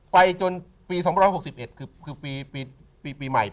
จนปี๒๖๑คือปีใหม่